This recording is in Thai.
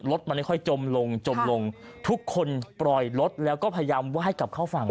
รถมันไม่ค่อยจมลงจมลงทุกคนปล่อยรถแล้วก็พยายามไหว้กลับเข้าฝั่ง